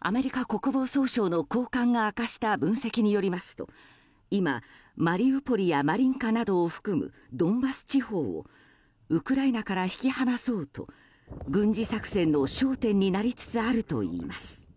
アメリカ国防総省の高官が明かした分析によりますと今、マリウポリやマリンカなどを含むドンバス地方をウクライナから引き離そうと軍事作戦の焦点になりつつあるといいます。